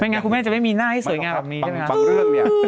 ไม่งั้นคุณแม่จะไม่มีหน้าให้เสวยงามันแบบนี้นะ